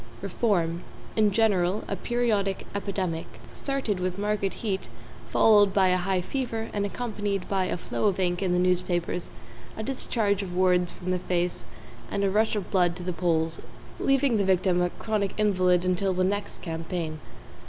=REFORM= In general, a periodic epidemic, starting with marked heat, followed by a high fever, and accompanied by a flow of ink in the newspapers, a discharge of words from the face and a rush of blood to the polls, leaving the victim a chronic invalid until the next campaign.